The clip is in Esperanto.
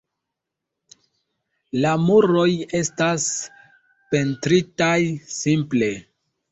La muroj estas pentritaj simple.